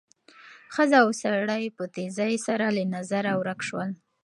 ښځه او سړی په تېزۍ سره له نظره ورک شول.